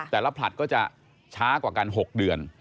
แต่ละผลัดก็จะช้ากว่ากัน๖เดือน